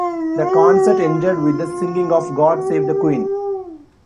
The concert ended with the singing of "God Save the Queen".